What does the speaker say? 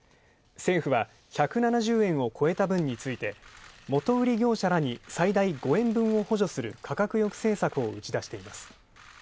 政府は１７０円をこえた分について、元売り業者らに最大５円分を補助する価格抑制策を打ち出しています。